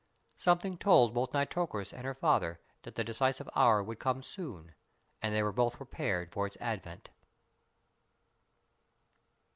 Something told both Nitocris and her father that the decisive hour would come soon, and they were both prepared for its advent.